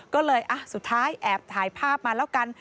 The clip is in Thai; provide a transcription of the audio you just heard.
ก็เลยสุดท้ายแอบถ่ายภาพมาแล้วกัน